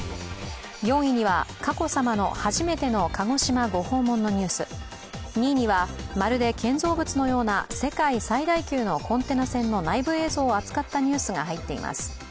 ４位には佳子さまの初めての鹿児島ご訪問のニュース、２位には、まるで建造物のような世界最大級のコンテナ船の内部映像を扱ったニュースが入っています。